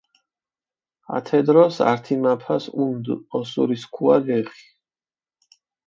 ათე დროს ართი მაფას ჸუნდჷ ოსურისქუა ლეხი.